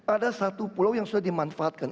ada satu pulau yang sudah dimanfaatkan